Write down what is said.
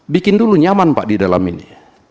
bikin dulu nyaman pak di dalam ini